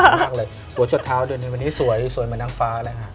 อาศัยมากเลยหัวชดเท้าเดี๋ยวนี้สวยสวยเหมือนนางฟ้าแล้วค่ะ